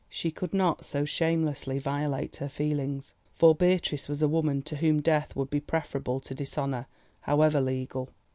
She could not so shamelessly violate her feelings, for Beatrice was a woman to whom death would be preferable to dishonour, however legal.